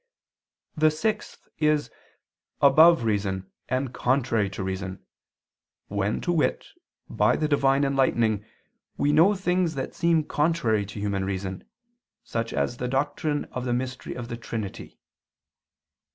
The sixth is "above reason and contrary to reason"; when, to wit, by the divine enlightening we know things that seem contrary to human reason, such as the doctrine of the mystery of the Trinity.